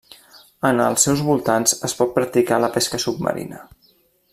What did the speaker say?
En els seus voltants es pot practicar la pesca submarina.